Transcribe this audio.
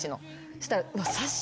そしたら。